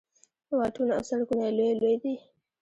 واټونه او سړکونه یې لوی لوی دي.